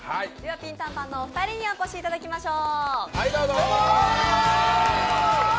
ピンタンパンのお二人にお越しいただきましょう。